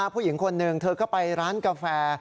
ผู้หญิงคนหนึ่งเธอก็ไปร้านกาแฟ